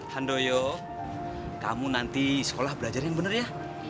handoyo kamu nanti sekolah belajar yang benar ya